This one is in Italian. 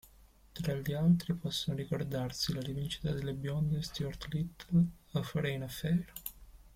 Tra gli altri possono ricordarsi La rivincita delle bionde, Stuart Little, A Foreign Affair.